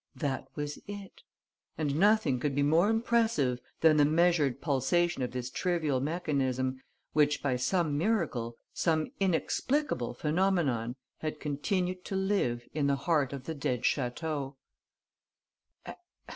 That was it! And nothing could be more impressive than the measured pulsation of this trivial mechanism, which by some miracle, some inexplicable phenomenon, had continued to live in the heart of the dead château.